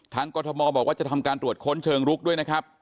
กรทมบอกว่าจะทำการตรวจค้นเชิงลุกด้วยนะครับ